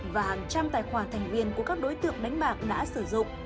và hàng trăm tài khoản thành viên của các đối tượng đánh bạc đã sử dụng